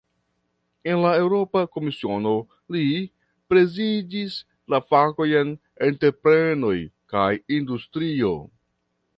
En la Eŭropa Komisiono, li prezidis la fakojn "entreprenoj kaj industrio".